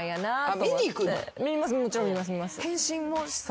もちろん見ます見ます。